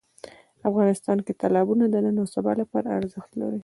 افغانستان کې تالابونه د نن او سبا لپاره ارزښت لري.